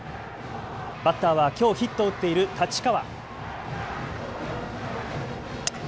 バッターはきょうヒットを打っている太刀川。